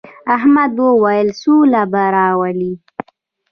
احمد وويل: سوله به راولې.